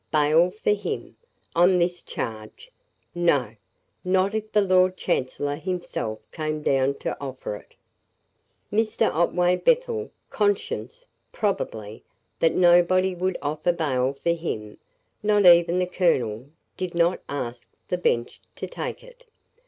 Bail for him! on this charge! No; not if the lord chancellor himself came down to offer it. Mr. Otway Bethel, conscious, probably, that nobody would offer bail for him, not even the colonel, did not ask the bench to take it.